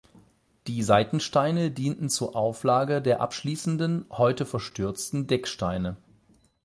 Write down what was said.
Die Seitensteine dienten zur Auflage der abschließenden, heute verstürzten Decksteine.